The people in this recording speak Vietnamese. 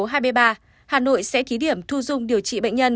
hà nội sẽ thí điểm thu dung điều trị bệnh nhân